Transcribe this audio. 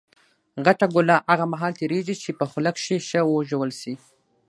غټه ګوله هغه مهال تېرېږي، چي په خوله کښي ښه وژول سي.